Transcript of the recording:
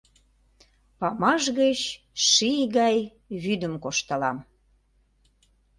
Памаш гыч ший гай вӱдым кошталам.